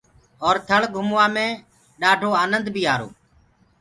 اور ٿݪ گھموا مي ڏآڍو آنند بيٚ آرو۔